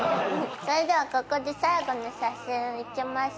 それではここで最後の写真を行きます。